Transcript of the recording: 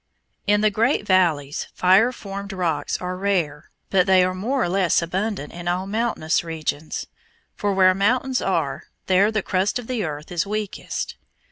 In the great valleys fire formed rocks are rare, but they are more or less abundant in all mountainous regions, for where mountains are, there the crust of the earth is weakest.